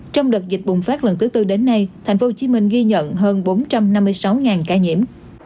trong đợt dịch bùng phát lần thứ tư đến nay thành phố hồ chí minh ghi nhận hơn bốn trăm năm mươi sáu ca nhiễm